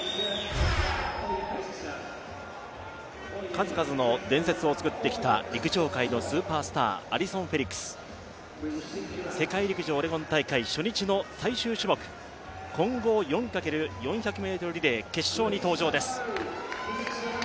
数々の伝説を作ってきた陸上界のスーパースターアリソン・フェリックス世界陸上オレゴン大会、初日の最終種目、混合４×４００ｍリレー決勝に登場です。